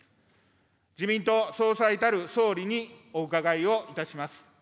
自民党総裁たる総理にお伺いをいたします。